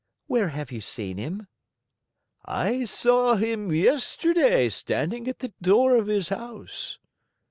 "Where have you seen him?" "I saw him yesterday standing at the door of his house."